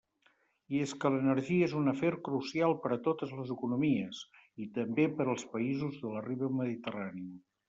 I és que l'energia és un afer crucial per a totes les economies i també per als països de la riba mediterrània.